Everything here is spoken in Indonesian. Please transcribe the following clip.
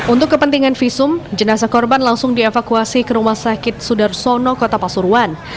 untuk kepentingan visum jenazah korban langsung dievakuasi ke rumah sakit sudarsono kota pasuruan